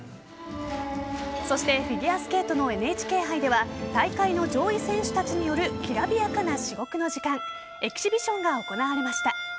そして、フィギュアスケートのＮＨＫ杯では大会の上位選手たちによるきらびやかな至極の時間エキシビションが行われました。